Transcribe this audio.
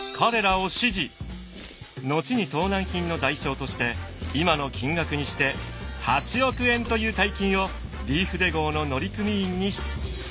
後に盗難品の代償として今の金額にして８億円という大金をリーフデ号の乗組員に支払ったのです。